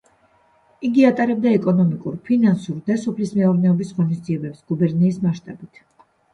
იგი ატარებდა ეკონომიკურ, ფინანსურ და სოფლის მეურნეობის ღონისძიებებს გუბერნიის მასშტაბით.